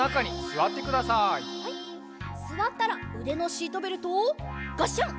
すわったらうでのシートベルトをガッシャン！